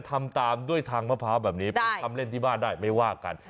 ทำตามทางมะพะแบบนี้ทำเล่นที่บ้านได้ไม่ว่ากัน